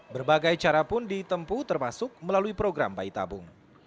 berbagai cara pun ditempu termasuk melalui program bayi tabung